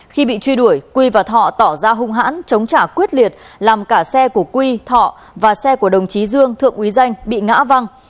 khi bị truy đuổi quy và thọ tỏ ra hung hãn chống trả quyết liệt làm cả xe của quy thọ và xe của đồng chí dương thượng quý danh bị ngã văng